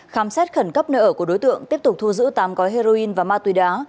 khám xét khẩn cấp nơi ở của đối tượng tiếp tục thu giữ tám gói heroin và ma túy đá